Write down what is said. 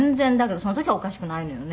「その時はおかしくないのよね